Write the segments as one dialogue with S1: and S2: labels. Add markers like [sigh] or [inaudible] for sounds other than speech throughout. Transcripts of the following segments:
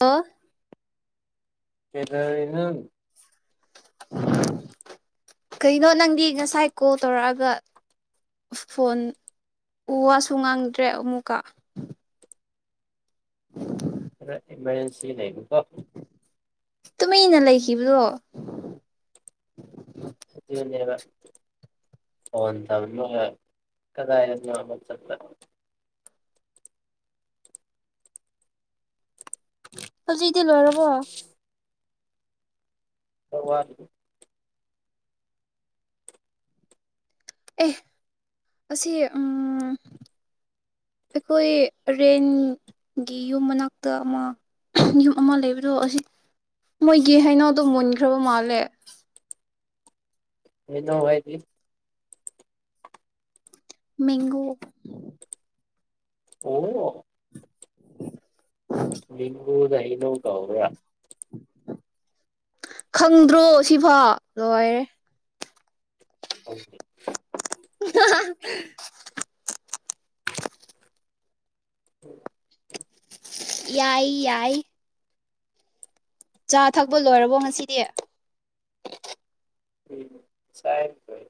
S1: ꯑꯣ
S2: ꯀꯦꯗꯧꯔꯤꯅꯣ [inaudible]
S1: ꯀꯩꯅꯣ ꯅꯪꯗꯤ ꯉꯁꯥꯏ ꯀꯣꯜ ꯇꯧꯔꯛꯑꯒ ꯎꯁ ꯐꯣꯟ ꯋꯥꯁꯨ ꯉꯥꯡꯗ꯭ꯔꯦ ꯑꯃꯨꯛꯀꯥ [inaudible]
S2: ꯈꯔ ꯏꯃꯔꯖꯦꯟꯁꯤ ꯂꯩꯕꯀꯣ
S1: ꯇꯨꯃꯤꯟꯅ ꯂꯩꯈꯤꯕꯗꯣ
S2: ꯑꯗꯨꯅꯦꯕ ꯐꯣꯟ ꯇꯧꯔꯝꯃꯒ ꯀꯗꯥꯏꯗꯅꯣ ꯑꯃꯨꯛ ꯆꯠꯄ
S1: ꯍꯧꯖꯤꯛ ꯇꯤ ꯂꯣꯏꯔꯕꯣ
S2: ꯈꯔ ꯋꯥꯠꯂꯤ
S1: ꯑꯦ ꯑꯁꯤ ꯎꯝ ꯑꯩꯈꯣꯏ ꯔꯦꯟꯒꯤ ꯌꯨꯝ ꯃꯅꯥꯛꯇ ꯑꯃ ꯌꯨꯝ ꯑꯃ ꯂꯩꯕꯗꯣ ꯑꯁꯤ ꯃꯣꯏꯒꯤ ꯍꯩꯅꯧꯗꯣ ꯃꯨꯟꯈ꯭ꯔꯕ ꯃꯥꯜꯂꯦ
S2: ꯃꯤꯗꯧ ꯍꯥꯏꯗꯤ
S1: ꯃꯦꯡꯒꯣ
S2: ꯑꯣ
S1: [inaudible]
S2: ꯃꯦꯡꯒꯣꯗꯣ ꯍꯩꯅꯧ ꯀꯧꯕ꯭ꯔꯥ
S1: ꯈꯪꯗ꯭ꯔꯣ ꯁꯤꯐꯥꯎ ꯂꯥꯏꯔꯦ [unintelligible]
S2: [inaudible]
S1: ꯌꯥꯏ ꯌꯥꯏ ꯆꯥ ꯊꯛꯄ ꯂꯣꯏꯔꯕꯣ ꯉꯁꯤꯗꯤ
S2: ꯎꯝ ꯁꯥꯏ ꯀꯣꯏ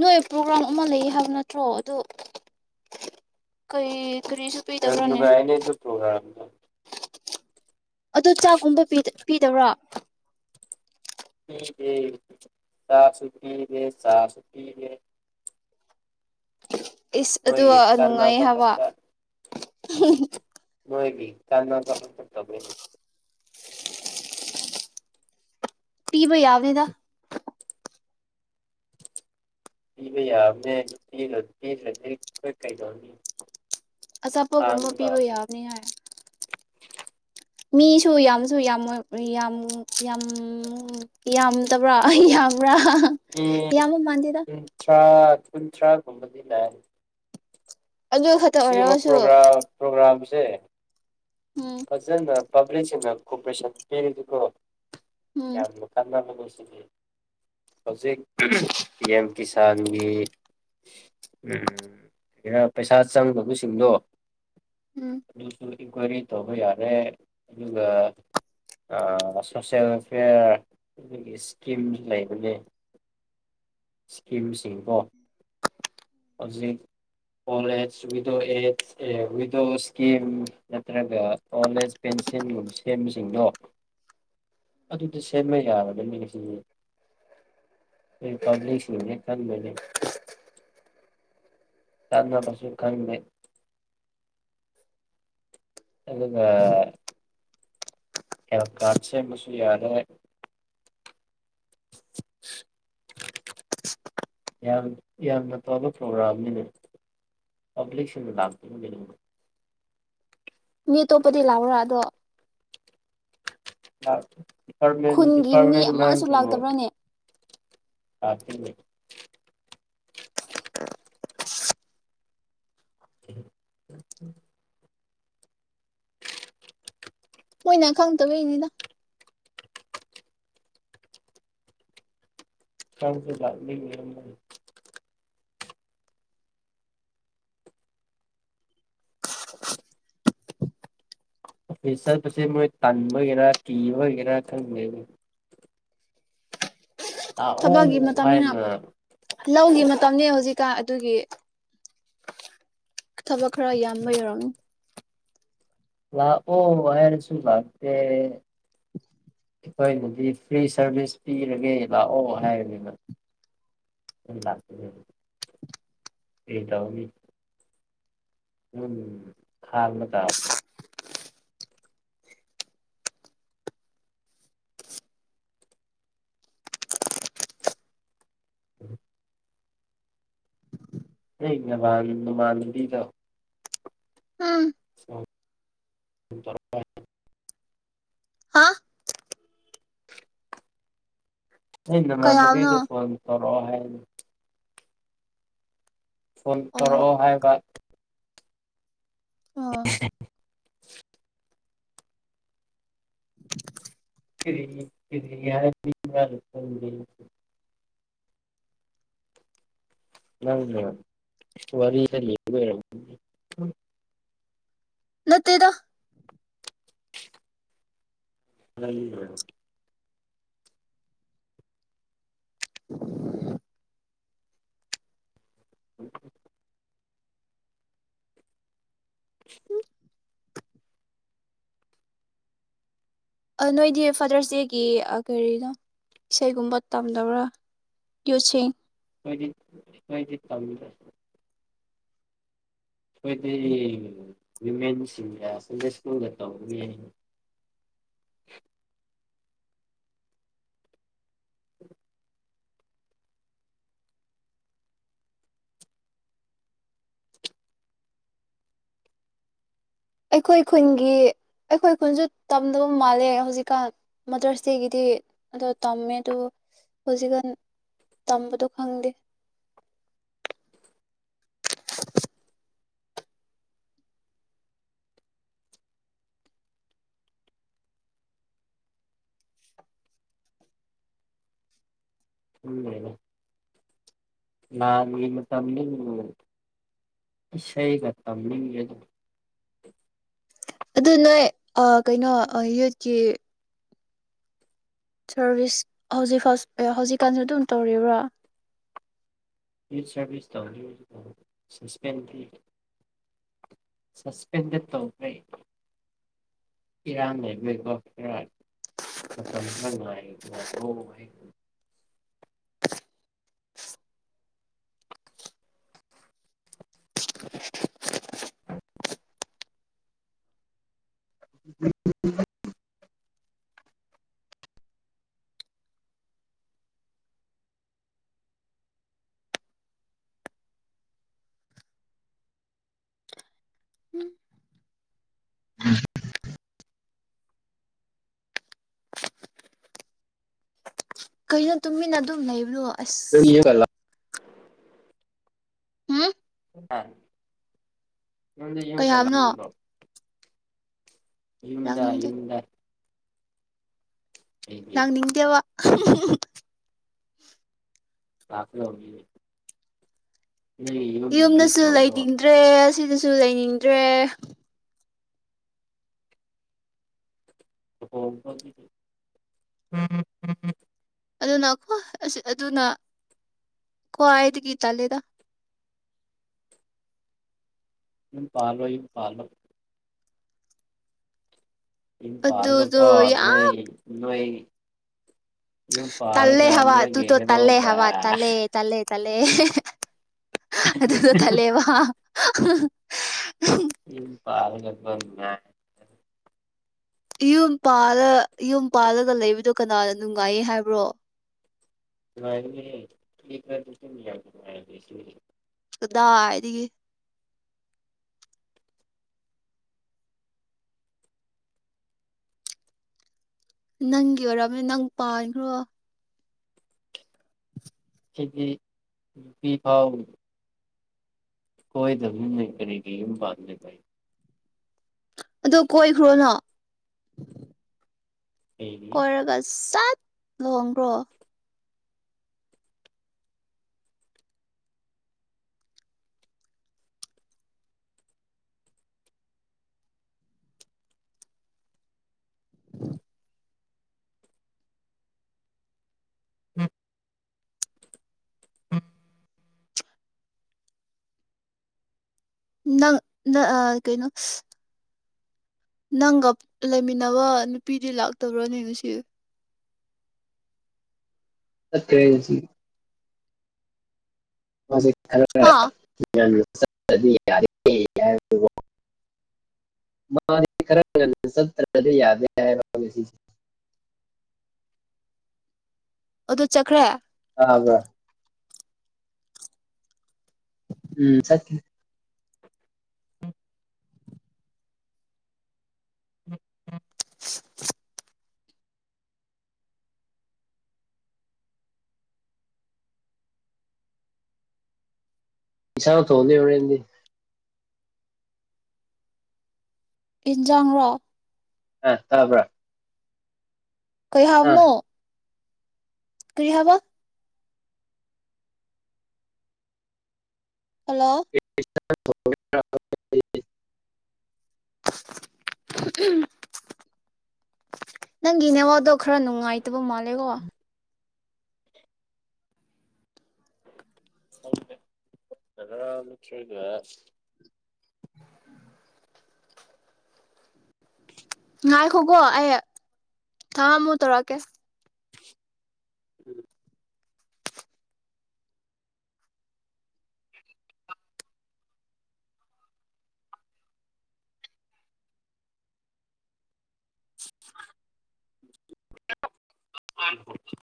S1: ꯅꯣꯏ ꯄ꯭ꯔꯣꯒ꯭ꯔꯥꯝ ꯑꯃ ꯂꯩ ꯍꯥꯏꯕ ꯅꯠꯇ꯭ꯔꯣ ꯑꯗꯨ ꯀꯔꯤ ꯀꯔꯤꯁꯨ
S2: ꯌꯥꯝ
S1: ꯄꯤꯗꯕ꯭ꯔꯥꯅꯦ
S2: ꯅꯨꯡꯉꯥꯏꯅꯦ ꯑꯗꯨ ꯄ꯭ꯔꯣꯒ꯭ꯔꯥꯝꯗꯣ
S1: ꯑꯗꯨ ꯆꯥꯛꯒꯨꯝꯕ ꯄꯤꯗꯕ꯭ꯔꯥ
S2: ꯄꯤꯗꯦ ꯆꯥꯛꯁꯨ ꯄꯤꯗꯦ ꯆꯥꯁꯨ ꯄꯤꯗꯦ
S1: ꯏꯁ
S2: ꯃꯣꯏꯒꯤ
S1: ꯑꯗꯨꯒ ꯅꯨꯡꯉꯥꯏꯌꯦ
S2: ꯀꯥꯟꯅꯕ
S1: ꯍꯥꯏꯕ
S2: ꯈꯛꯇ ꯃꯣꯏꯗꯤ ꯀꯥꯟꯅꯕ ꯈꯛꯇ ꯇꯧꯕꯅꯤꯅꯦ
S1: ꯄꯤꯕ ꯌꯥꯥꯕꯅꯤꯗ
S2: ꯄꯤꯕ ꯌꯥꯕꯅꯦ ꯄꯤꯗ꯭ꯔ ꯄꯤꯗ꯭ꯔꯥꯗꯤ ꯑꯩꯈꯣꯏ ꯀꯩꯗꯧꯅꯤ
S1: ꯑꯆꯥꯄꯣꯠꯒꯨꯝꯕ
S2: ꯈꯥꯡꯕ
S1: ꯄꯤꯕ
S2: ꯇꯥꯕꯅꯤ
S1: ꯌꯥꯕꯅꯤ ꯍꯥꯏ ꯃꯤꯁꯨ ꯌꯥꯝꯁꯨ ꯌꯥꯝꯃꯣꯏ ꯌꯥꯝ ꯌꯥꯝ ꯎꯝ ꯌꯥꯝꯗꯕ꯭ꯔꯥ ꯌꯥꯝꯕ꯭ꯔꯥ
S2: ꯎꯝ
S1: ꯌꯥꯝꯕ ꯃꯥꯟꯗꯦꯗ
S2: ꯀꯨꯟꯊ꯭ꯔꯥ ꯀꯨꯟꯊ꯭ꯔꯥꯒꯨꯝꯕꯗꯤ ꯂꯥꯛꯑꯦ
S1: ꯑꯗꯨ ꯈꯛꯇ
S2: ꯁꯤꯒꯨꯝꯕ
S1: ꯑꯣꯏꯔꯒꯁꯨ
S2: ꯄ꯭ꯔꯣꯒ꯭ꯔꯥꯝ ꯄ꯭ꯔꯣꯒ꯭ꯔꯥꯝꯁꯦ
S1: ꯎꯝ
S2: ꯐꯖꯅ ꯄꯕ꯭ꯂꯤꯁꯤꯡꯅ ꯀꯣꯄꯔꯦꯁꯟ ꯄꯤꯔꯗꯤꯀꯣ
S1: ꯎꯝ
S2: ꯌꯥꯝ [unintelligible] ꯍꯧꯖꯤꯛ ꯄꯤ ꯑꯦꯝ ꯀꯤꯁꯥꯟꯒꯤ ꯎꯝ ꯄꯩꯁꯥ ꯆꯪꯕ ꯃꯤꯁꯤꯡꯗꯣ
S1: ꯎꯝ
S2: ꯏꯟꯀ꯭ꯋꯥꯏꯔꯤ ꯇꯧꯕ ꯌꯥꯔꯦ ꯑꯗꯨꯒ ꯑ ꯁꯣꯁꯦꯜ ꯋꯦꯜꯐꯦꯌꯥꯔ ꯑꯩꯈꯣꯏꯒꯤ ꯏꯁꯀꯤꯝꯖꯨ ꯂꯩꯕꯅꯦ ꯏꯁꯀꯤꯝꯁꯤꯡꯗꯣ ꯍꯧꯖꯤꯛ [unintelligible] [unintelligible] ꯑꯦꯋꯗꯣ ꯏꯁꯀꯤꯝ ꯅꯠꯇ꯭ꯔꯒ ꯑꯣꯜ ꯑꯦꯖ ꯄꯦꯟꯁꯤꯟꯒꯨꯝꯕ ꯁꯦꯝꯕꯁꯤꯡꯗꯣ ꯑꯗꯨꯗꯤ ꯁꯦꯝꯕ ꯌꯥꯔꯒ ꯃꯤꯁ ꯎꯝ ꯄꯕ꯭ꯂꯤꯛꯁꯤꯡꯅ [unintelligible] ꯀꯥꯟꯅꯕꯖꯨ ꯈꯪꯗꯦ ꯑꯗꯨꯒ ꯍꯦꯜ ꯀꯥꯔꯗ ꯁꯦꯝꯕꯁꯨ ꯌꯥꯔꯣꯏ [unintelligible] [inaudible] ꯌꯥꯝ ꯌꯥꯝꯅ ꯐꯕ ꯄ꯭ꯔꯣꯒ꯭ꯔꯥꯝꯅꯤꯅꯦ ꯄꯕ꯭ꯂꯤꯁꯤꯡꯅ ꯂꯥꯛꯇ [unintelligible]
S1: ꯃꯤ ꯑꯇꯣꯞꯄꯗꯤ ꯂꯥꯛꯑꯣꯔꯥ ꯑꯗꯣ ꯈꯨꯟꯒꯤ ꯃꯤ ꯑꯃꯁꯨ
S2: [unintelligible]
S1: ꯂꯥꯛꯇꯕ꯭ꯔꯥꯅꯦ
S2: ꯂꯥꯛꯇꯦꯅꯦ [inaudible]
S1: ꯃꯣꯏꯅ ꯈꯪꯗꯕꯩꯅꯤꯗ
S2: [unintelligible] ꯆꯠꯄꯁꯦ ꯃꯣꯏ‌ ꯇꯟꯕꯩꯔ ꯀꯤꯕꯩꯔ ꯈꯪꯗꯦꯅꯦ ꯂꯥꯛꯑꯣ
S1: ꯊꯕꯛꯀꯤ ꯃꯇꯝꯅꯤꯅ
S2: ꯍꯥꯏꯅ
S1: ꯂꯧꯒꯤ ꯃꯇꯝꯅꯤ ꯍꯧꯖꯤꯛꯀꯥꯟ ꯑꯗꯨꯒꯤ ꯊꯕꯛ ꯈꯔ ꯌꯥꯝꯕꯩ ꯑꯣꯏꯔꯝꯅꯤ
S2: ꯂꯥꯛꯑꯣ ꯍꯥꯏꯔꯁꯨꯨ ꯂꯥꯛꯇꯦ
S1: [unintelligible]
S2: ꯑꯩꯈꯣꯏꯅꯗꯤ ꯐ꯭ꯔꯤ ꯁꯥꯔꯚꯤꯁ ꯄꯤꯔꯒꯦ ꯂꯥꯛꯑꯣ ꯍꯥꯏꯔꯅꯤꯅ ꯂꯥꯛ ꯑꯦ ꯇꯅꯤ ꯎꯝ ꯈꯥꯡꯕ ꯇꯥꯕꯅꯦ [inaudible] ꯅꯣꯏ ꯅꯃꯥꯟ ꯅꯥꯃꯥꯟꯅꯕꯤꯗꯣ
S1: ꯎꯝ
S2: [unintelligible]
S1: ꯍꯥ
S2: ꯅꯣꯏ
S1: ꯀꯩ ꯍꯥꯏꯕꯅꯣ
S2: ꯅꯃꯥꯟꯅꯕꯤꯗ ꯐꯣꯟ ꯇꯧꯔꯛꯑꯣ ꯍꯥꯏꯕꯅꯦ ꯐꯣꯟ
S1: ꯑꯣ
S2: ꯇꯧꯔꯛꯑꯣ ꯍꯥꯏꯕ
S1: ꯑ
S2: [unintelligible]
S1: [unintelligible]
S2: [unintelligible] ꯅꯪꯅ ꯋꯥꯔꯤꯗ [unintelligible]
S1: ꯅꯠꯇꯦꯗ
S2: [unintelligible] [inaudible] [unintelligible]
S1: ꯑꯥ ꯅꯣꯏꯗꯤ ꯐꯥꯗꯔꯁ ꯗꯦꯒꯤ ꯑꯥ ꯀꯔꯤꯅꯣ ꯏꯁꯩꯒꯨꯝꯕ ꯇꯝꯗꯕ꯭ꯔꯥ [unintelligible]
S2: ꯅꯣꯏꯗꯤ ꯅꯣꯏꯗꯤ ꯇꯝ ꯑꯩꯈꯣꯏꯗꯤ ꯋꯤꯃꯦꯟꯁꯤꯡꯒ ꯁ꯭ꯀꯨꯜꯗ ꯇꯧꯕꯅꯤ [unintelligible]
S1: ꯑꯩꯈꯣꯏ ꯈꯨꯟꯒꯤ ꯑꯩꯈꯣꯏ ꯈꯨꯟꯁꯨ ꯇꯝꯗꯕ ꯃꯥꯜꯂꯦ ꯍꯧꯖꯤꯛꯀꯥꯟ ꯃꯥꯗꯔꯁ ꯗꯦꯒꯤꯗꯤ ꯑꯗꯣ ꯇꯝꯃꯦ ꯑꯗꯨ ꯍꯧꯖꯤꯛꯀꯥꯟ ꯇꯝꯕꯗꯣ ꯐꯪꯗꯦ
S2: ꯈꯪꯗꯦꯅꯦ ꯂꯥꯟꯒꯤ ꯃꯇꯝꯅꯤꯅ ꯏꯁꯩꯒ ꯇꯝꯅꯤꯡꯗ꯭ꯔꯦꯗ
S1: ꯑꯗꯨ ꯅꯣꯏ ꯀꯩꯅꯣ ꯌꯨꯠꯀꯤ ꯁꯔꯚꯤꯁ ꯍꯧꯖꯤꯛ ꯐꯥꯁ ꯍꯧꯖꯤꯛꯀꯥꯟꯁꯨ ꯑꯗꯨꯝ ꯇꯧꯔꯤꯕ꯭ꯔꯣ
S2: ꯌꯨꯠ ꯁꯥꯔꯚꯤꯁ ꯇꯧ [unintelligible] ꯁ꯭ꯄꯦꯟ ꯁꯁꯄꯦꯟꯗꯦꯠ ꯇꯧꯈ꯭ꯔꯦ ꯏꯔꯥꯡ ꯂꯩꯕꯒꯤꯀꯣ ꯈꯔ ꯃꯇꯝ ꯈꯔ ꯉꯥꯏ ꯉꯥꯏꯈꯣ ꯍꯥꯏ [unintelligible] ꯎꯝ
S1: ꯀꯩꯅꯣ ꯇꯨꯃꯤꯟꯅ ꯑꯗꯨꯝ ꯂꯩꯕꯗꯣ
S2: [unintelligible]
S1: ꯍꯨꯝ
S2: ꯅꯣꯏꯗꯤ
S1: ꯀꯩ
S2: ꯌꯨꯝꯒ
S1: ꯍꯥꯏꯕꯅꯣ
S2: [unintelligible] ꯌꯨꯝꯗ
S1: ꯂꯥꯡꯅꯤꯡꯗꯦ
S2: ꯌꯨꯝꯗ [unintelligible]
S1: ꯂꯥꯡꯅꯤꯡꯗꯦꯕ
S2: [unintelligible] ꯅꯣꯏꯒꯤ ꯌꯨꯝ ꯕꯔ꯭ꯤꯁ ꯇꯧꯕ꯭ꯔꯣ
S1: ꯗ꯭ꯔꯦ ꯑꯁꯤꯗꯁꯨ ꯂꯩꯅꯤꯡꯗ꯭ꯔꯦ
S2: ꯑꯣ [unintelligible]
S1: ꯑꯗꯨꯅꯈꯣꯏ ꯑꯁ ꯑꯗꯨꯅ ꯀꯣ ꯑꯩꯗꯒꯤ ꯇꯥꯂꯦꯗ
S2: ꯌꯨꯝ ꯄꯥꯜꯂꯣ ꯄꯥꯜꯂꯣ ꯌꯨꯝ
S1: ꯑꯗꯨꯗꯣ
S2: ꯄꯥꯜꯂꯥꯒꯀꯣ ꯅꯣꯏ
S1: ꯌꯥꯝ
S2: ꯅꯣꯏ ꯑꯗꯨꯝ
S1: ꯇꯜꯂꯦ
S2: ꯄꯥꯔꯒ
S1: ꯍꯥꯏꯕ
S2: ꯅꯣꯢꯒꯤ
S1: ꯑꯗꯨꯗꯣ ꯇꯜꯂꯦ
S2: ꯍꯤꯔꯣꯒ
S1: ꯍꯥꯏꯕ ꯇꯜꯂꯦ ꯇꯜꯂꯦ ꯇꯜꯂꯦ ꯑꯗꯨꯗꯣ ꯇꯜꯂꯦꯕ [unintelligible]
S2: [unintelligible]
S1: ꯌꯨꯝ ꯄꯥꯜꯂ ꯌꯨꯝ ꯄꯥꯜꯂꯒ ꯂꯩꯕꯗꯣ ꯀꯅꯥꯅ ꯅꯨꯡꯉꯥꯏꯌꯦ ꯍꯥꯏꯕ꯭ꯔꯣ
S2: [unintelligible]
S1: ꯀꯗꯥꯢꯗꯥꯒꯤ ꯅꯪꯒꯤ ꯑꯣꯏꯔꯝꯅꯤ ꯅꯪ ꯄꯥꯟꯈ꯭ꯔꯣ
S2: [unintelligible] ꯁꯣꯏꯗꯕꯅꯤꯅꯦ ꯀꯔꯤꯒꯤ ꯌꯨꯝ ꯄꯥꯟ
S1: ꯑꯗꯣ ꯀꯣꯏꯈ꯭ꯔꯣ ꯅꯪ
S2: ꯑꯩꯗꯤ
S1: ꯀꯣꯏꯔꯒ ꯁꯠ ꯂꯣꯡꯈ꯭ꯔꯣ
S2: [inaudible] [inaudible]
S1: ꯅꯪ ꯅꯪ ꯀꯩꯅꯣ ꯅꯪꯒ ꯂꯩꯃꯤꯟꯅꯕ ꯅꯨꯄꯤꯗꯤ ꯂꯥꯛꯇꯕ꯭ꯔꯣꯅꯦ ꯁꯤ
S2: ꯆꯠꯈꯔꯦ ꯍꯧꯖꯤꯛ
S1: ꯍꯥ
S2: [unintelligible] [unintelligible]
S1: ꯑꯗꯨ ꯆꯠꯈ꯭ꯔꯦ
S2: [unintelligible] ꯎꯝ [unintelligible] [inaudible]
S1: [unintelligible]
S2: ꯏꯁꯥꯅ ꯊꯣꯡꯅꯤ ꯍꯣꯔꯦꯟꯗꯤ
S1: ꯌꯦꯟꯁꯥꯡꯔꯣ
S2: ꯑꯥ ꯇꯥꯕ꯭ꯔꯥ
S1: ꯀꯩ
S2: ꯑ
S1: ꯍꯥꯏꯕꯅꯣ ꯀ꯭ꯔꯤ ꯍꯥꯏꯕ ꯍꯜꯂꯣ
S2: [unintelligible]
S1: [unintelligible] ꯅꯪꯒꯤ ꯅꯦꯠꯋꯥꯛꯗꯣ ꯈꯔ ꯅꯨꯡꯉꯥꯏꯇꯕ ꯃꯥꯜꯂꯦꯀꯣ
S2: [unintelligible]
S1: ꯉꯥꯏꯈꯣꯀꯣ ꯑꯩ ꯊꯝꯃꯣ ꯑꯃꯨꯛ ꯇꯧꯔꯛꯀꯦ
S2: [inaudible] [unintelligible]